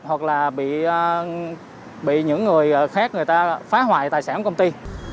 hoặc là bị những người khác người ta phá hoại tài sản của công ty